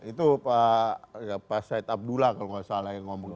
itu pak said abdullah kalau nggak salah yang ngomong